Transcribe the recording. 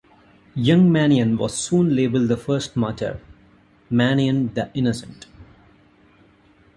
Young Manion was soon labelled the first martyr, Manion the Innocent.